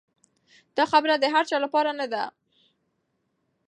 دا خبره د هر چا لپاره نه ده.